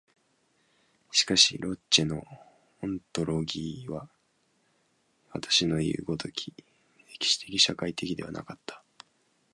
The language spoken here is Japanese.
しかしロッチェのオントロギーは私のいう如き歴史的社会的ではなかった。